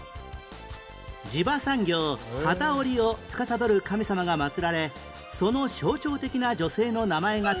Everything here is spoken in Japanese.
地場産業機織をつかさどる神様が祭られその象徴的な女性の名前が付く